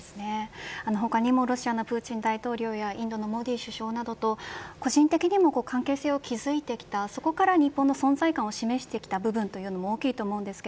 他にもロシアのプーチン大統領やインドのモディ首相などと個人的にも関係性を築いてきたそこから日本の存在感を示してきたのも大きいと思います。